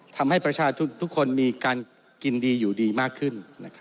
ทำให้ประชาชนทุกคนมีการกินดีอยู่ดีมากขึ้น